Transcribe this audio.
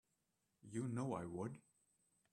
You know I would.